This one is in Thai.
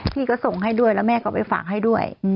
พี่ก็ส่งให้ด้วยแล้วแม่ก็ไปฝากให้ด้วย